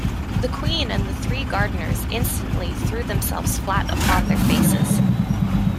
The Queen!’ and the three gardeners instantly threw themselves flat upon their faces.